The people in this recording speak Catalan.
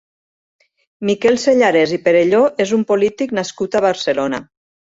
Miquel Sellarès i Perelló és un polític nascut a Barcelona.